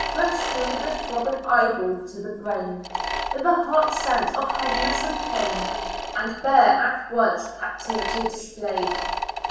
Works through the throbbing eyeball to the brain, With a hot sense of heaviness and pain ; And bare, at once, captivity displayed.